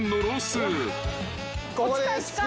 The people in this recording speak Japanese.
ここです。